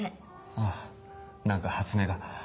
あぁ何か初音が。